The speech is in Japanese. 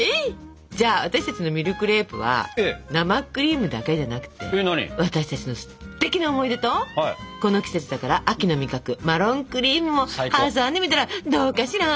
じゃあ私たちのミルクレープは生クリームだけじゃなくて私たちのすてきな思い出とこの季節だから秋の味覚マロンクリームも挟んでみたらどうかしら？